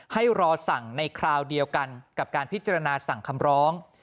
ให้รอสั่งในคราวเดียวกันกับการพิจารณาสั่งคำร้อง